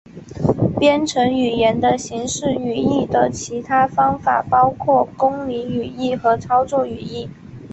编程语言的形式语义的其他方法包括公理语义和操作语义。